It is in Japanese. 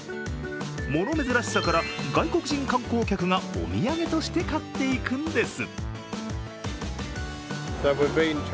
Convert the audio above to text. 物珍しさから外国人観光客がお土産として買っていくんです。